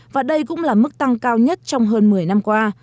và đây cũng là mức tăng cao nhất trong hơn một mươi năm qua